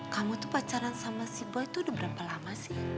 kamu pacaran sama si boy udah berapa lama